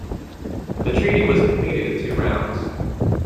The Treaty was completed in two rounds.